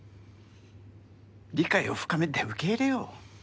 理解を深めて受け入れよう。